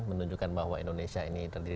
menunjukkan bahwa indonesia ini terdiri